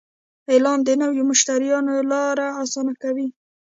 اعلان د نوي مشتریانو لاره اسانه کوي.